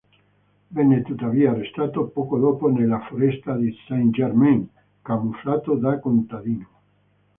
Venne tuttavia arrestato poco dopo nella foresta di Saint-Germain, camuffato da contadino.